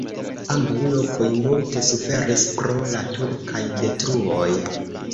Ambaŭ lokoj multe suferis pro la turkaj detruoj.